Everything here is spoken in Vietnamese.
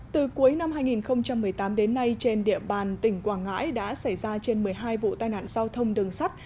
từ cuối năm hai nghìn một mươi tám đến nay trên địa bàn tỉnh quảng ngãi đã xảy ra trên một mươi hai vụ tai nạn giao thông đường sắt